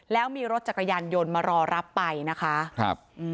แล้วมีรถจักรยานยนต์มารอรับไปนะคะ